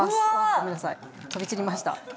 ごめんなさい飛び散りました。